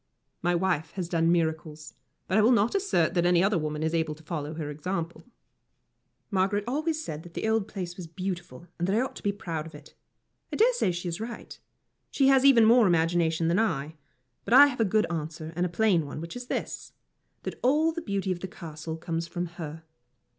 My wife has done miracles, but I will not assert that any other woman is able to follow her example. Margaret always said that the old place was beautiful, and that I ought to be proud of it. I dare say she is right. She has even more imagination than I. But I have a good answer and a plain one, which is this that all the beauty of the Castle comes from her.